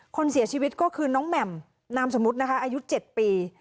คนเสียชีวิตก็คือน้องแหม่มนามสมมุตินะคะอายุ๗ปี